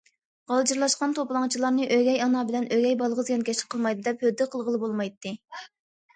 غالجىرلاشقان توپىلاڭچىلارنى ئۆگەي ئانا بىلەن ئۆگەي بالىغا زىيانكەشلىك قىلمايدۇ دەپ ھۆددە قىلغىلى بولمايتتى.